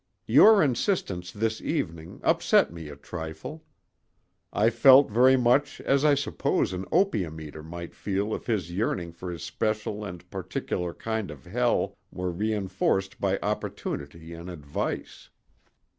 Your insistence this evening upset me a trifle. I felt very much as I suppose an opium eater might feel if his yearning for his special and particular kind of hell were re enforced by opportunity and advice.